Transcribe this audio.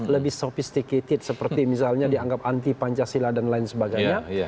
lebih sophisticated seperti misalnya dianggap anti pancasila dan lain sebagainya